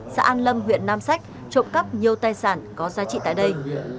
xã an lâm huyện nam sách trộm cắp nhiều tài sản có giá trị tại đây